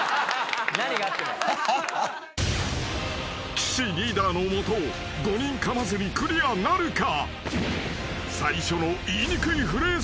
［岸リーダーの下５人かまずにクリアなるか？］